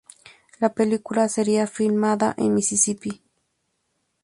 La película sería filmada en Mississippi.